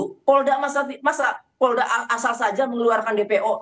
kalau nggak asal saja mengeluarkan dpo